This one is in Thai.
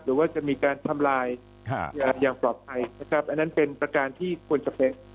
หรือว่าจะมีการทำลายอย่างปลอดภัยนะครับอันนั้นเป็นประการที่ควรจะเป็น